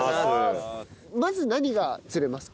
まず何が釣れますか？